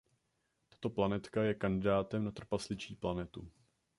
Tato planetka je kandidátem na trpasličí planetu.